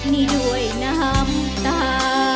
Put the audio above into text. นี่ด้วยน้ำตา